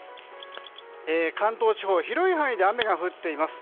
関東地方は広い範囲で雨が降っています。